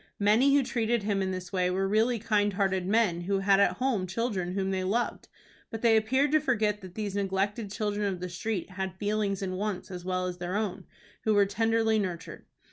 Many who treated him in this way were really kind hearted men who had at home children whom they loved, but they appeared to forget that these neglected children of the street had feelings and wants as well as their own, who were tenderly nurtured.